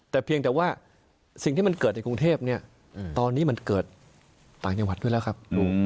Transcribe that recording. แต่เพียงจะว่าสิ่งที่มันเกิดในกรุงเทพฯตอนนี้มันเกิดต่างยาวัดด้วยนะครับ